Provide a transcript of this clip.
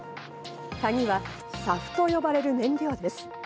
カギは、ＳＡＦと呼ばれる燃料です。